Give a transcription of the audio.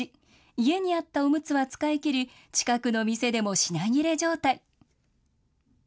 家にあったおむつは使い切り、近くの店でも品切れ状態。